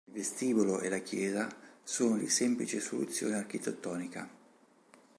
Il vestibolo e la chiesa sono di semplice soluzione architettonica.